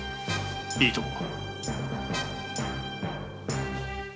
いいとも。